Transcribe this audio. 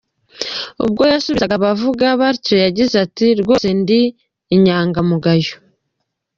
Ubwo yasubizaga abavuga batyo yagize ati :" Rwose ndi inyangamugayo.